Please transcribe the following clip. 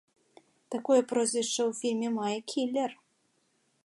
Такое прозвішча ў фільме мае кілер.